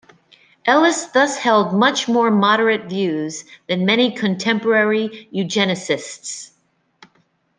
Ellis thus held much more moderate views than many contemporary eugenicists.